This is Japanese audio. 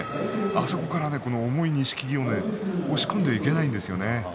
あそこから重い錦木を押し込んでいけないんですね。